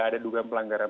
ada duga pelanggaran